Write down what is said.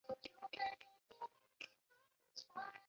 并对可能作为建州卫外援的建州左卫作好应变的各种部署。